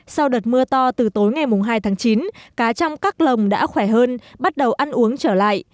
sau đợt mưa to từ tối ngày hai tháng chín cá trong các lồng đã khỏe hơn bắt đầu ăn uống trở lại